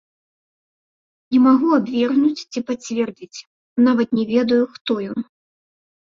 Не магу абвергнуць ці пацвердзіць, нават не ведаю, хто ён.